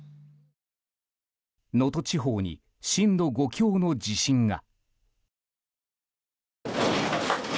能登地方に震度５強の地震が。